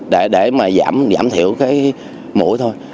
để mà giảm thiểu cái mũi thôi